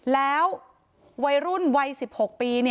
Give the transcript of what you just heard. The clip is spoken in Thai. แล้ววัยรุ่นวัย๑๖ปี